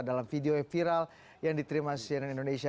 dalam video yang viral yang diterima cnn indonesia